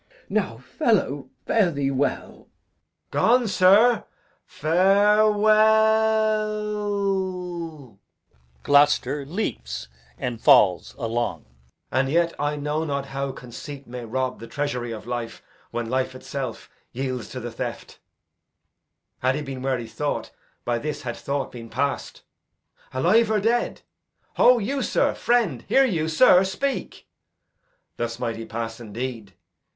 Now, fellow, fare thee well. He falls [forward and swoons]. Edg. Gone, sir, farewell. And yet I know not how conceit may rob The treasury of life when life itself Yields to the theft. Had he been where he thought, By this had thought been past. Alive or dead? Ho you, sir! friend! Hear you, sir? Speak! Thus might he pass indeed.